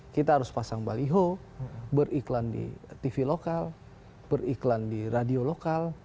kita harus pasang baliho beriklan di tv lokal beriklan di radio lokal